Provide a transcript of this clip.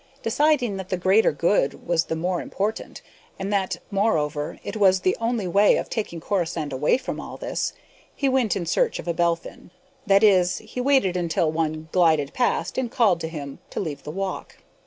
Deciding that the greater good was the more important and that, moreover, it was the only way of taking Corisande away from all this he went in search of a Belphin. That is, he waited until one glided past and called to him to leave the walk.